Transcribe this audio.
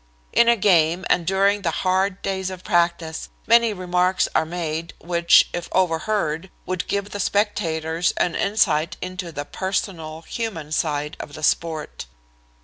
In a game, and during the hard days of practice, many remarks are made which, if overheard, would give the spectators an insight into the personal, human side of the sport.